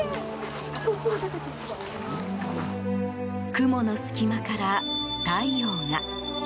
雲の隙間から太陽が。